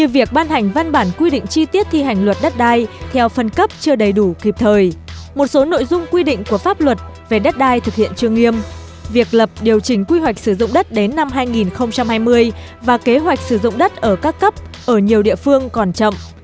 việc lập điều chỉnh quy hoạch sử dụng đất đến năm hai nghìn hai mươi và kế hoạch sử dụng đất ở các cấp ở nhiều địa phương còn chậm